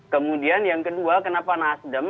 kemudian yang kedua kenapa nasdem